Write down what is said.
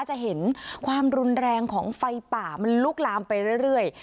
จะเห็นความรุนแรงของไฟป่ามันลุกลามไปเรื่อย